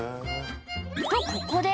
とここで何？